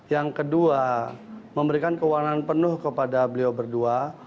yang kedua memberikan kewanan penuh kepada beliau berdua